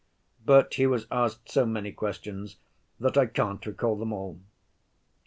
But he was asked so many questions that I can't recall them all.